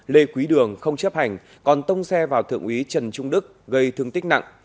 lê quý đường không chấp hành còn tông xe vào thượng úy trần trung đức gây thương tích nặng